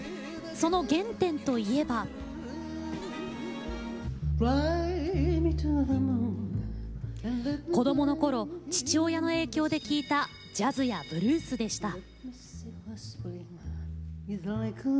その原点といえば子どものころ父親の影響で聴いたジャズやブルースでした。